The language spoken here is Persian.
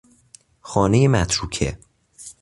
خانهی متروکه